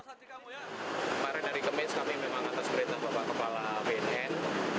kemarin hari kemis kami memang atas perintah bapak kepala bnn